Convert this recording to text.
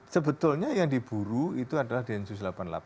sebetulnya yang diburu itu adalah densus delapan puluh delapan